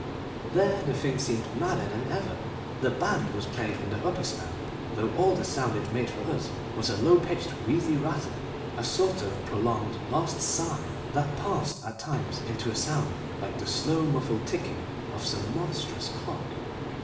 There the thing seemed madder than ever. The band was playing in the upper stand, though all the sound it made for us was a low pitched, wheezy rattle, a sort of prolonged last sigh that passed at times into a sound like the slow, muffled ticking of some monstrous clock.